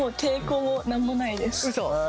うそ？